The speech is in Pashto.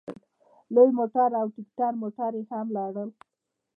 لوی موټر او ټیکټر موټر یې هم لرل.